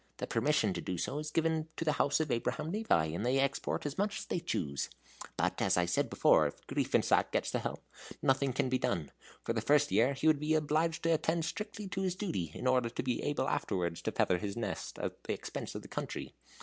The permission to do so is given to the house of Abraham Levi, and they export as much as they choose. But, as I said before, if Griefensack gets the helm, nothing can be done. For the first year he would be obliged to attend strictly to his duty, in order to be able afterwards to feather his nest at the expense of the country.